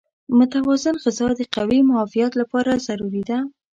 متوازن غذا د قوي معافیت لپاره ضروري ده.